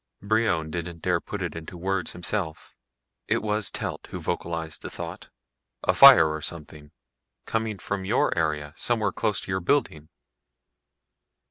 Brion didn't dare put it into words himself; it was Telt who vocalized the thought. "A fire or something. Coming from your area, somewhere close to your building."